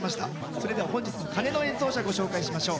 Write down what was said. それでは本日の鐘の演奏者ご紹介しましょう。